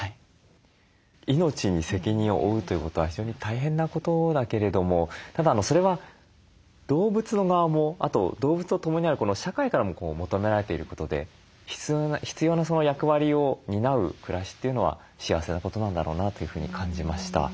命に責任を負うということは非常に大変なことだけれどもただそれは動物の側もあと動物とともにある社会からも求められていることで必要な役割を担う暮らしというのは幸せなことなんだろうなというふうに感じました。